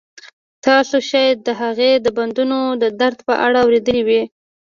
تاسو شاید د هغې د بندونو د درد په اړه اوریدلي وي